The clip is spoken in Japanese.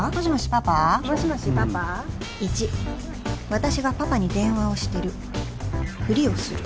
１私がパパに電話をしてるふりをする